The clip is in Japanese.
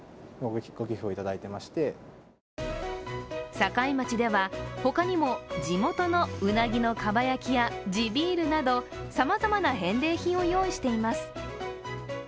境町では他にも地元のうなぎのかば焼きや地ビールなどさまざまな返礼品を用意しています。